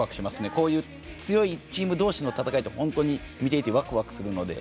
こういう強いチーム同士の戦いは本当に見ていてワクワクするので。